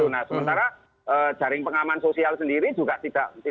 nah sementara jaring pengaman sosial sendiri juga tidak